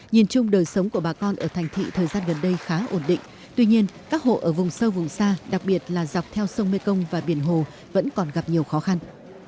nhìn chung đời sống của bà con ở thành thị thời gian gần đây khá ổn định tuy nhiên các hộ ở vùng sâu vùng xa đặc biệt là dọc theo sông mekong và biển hồ vẫn còn gặp nhiều khó khăn